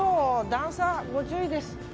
段差ご注意です。